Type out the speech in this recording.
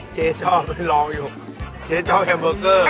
เจ๊ชอบเป็นรองอยู่เจ๊ชอบแฮมเบอร์เกอร์